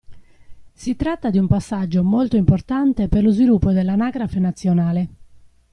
Si tratta di un passaggio molto importante per lo sviluppo dell'anagrafe nazionale.